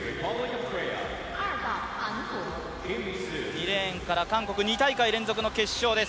２レーンから韓国、２大会連続の決勝です。